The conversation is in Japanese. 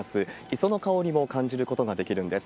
磯の香りも感じることができるんです。